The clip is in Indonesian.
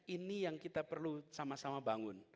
ini yang kita perlu sama sama bangun